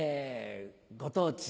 ご当地